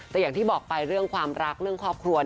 แต่อย่างที่บอกไปเรื่องความรักเรื่องครอบครัว